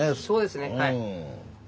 そうですねはい。